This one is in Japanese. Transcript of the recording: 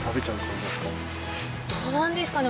どうなんですかね